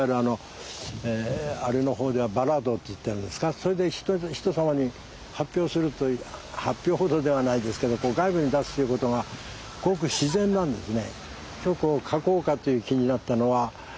それで人様に発表するという発表ほどではないですけど外部に出すということがごく自然なんですね。